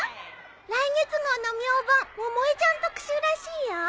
来月号の『明凡』百恵ちゃん特集らしいよ。